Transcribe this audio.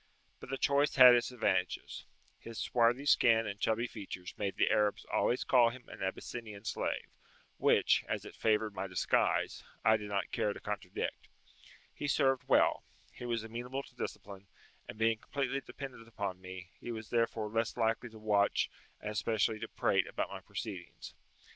But the choice had its advantages: his swarthy skin and chubby features made the Arabs always call him an Abyssinian slave, which, as it favoured my disguise, I did not care to contradict; he served well, he was amenable to discipline, and being completely dependent upon me, he was therefore less likely to watch and especially to prate about my proceedings.